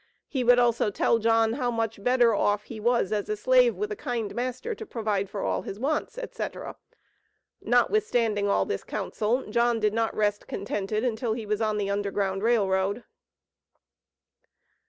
He would also tell John how much better off he was as a "slave with a kind master to provide for all his wants," etc. Notwithstanding all this counsel, John did not rest contented until he was on the Underground Rail Road.